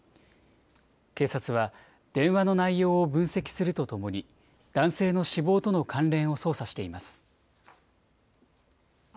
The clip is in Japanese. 警察は電話の内容を分析するとともに男性の死亡との関連を捜査しています。